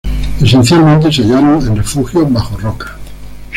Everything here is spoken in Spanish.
Esencialmente se hallaron en refugios bajo rocas.